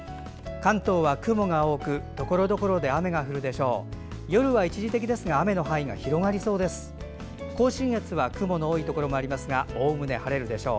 関東は雲が多くところどころで雨が降るでしょう。